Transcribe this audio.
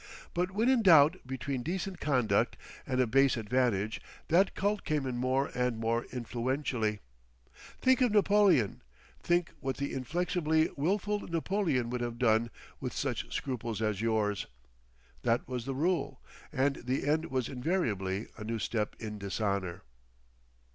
But when in doubt between decent conduct and a base advantage, that cult came in more and more influentially: "think of Napoleon; think what the inflexibly wilful Napoleon would have done with such scruples as yours;" that was the rule, and the end was invariably a new step in dishonour.